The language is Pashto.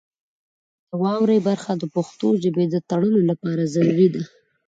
د واورئ برخه د پښتو ژبې د تړلو لپاره ضروري ده.